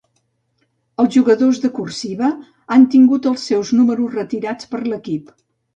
Els jugadors de "cursiva" han tingut els seus números retirats per l'equip.